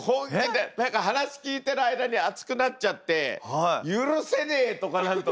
何か話聞いてる間に熱くなっちゃって「許せねえ！」とか何とか言って。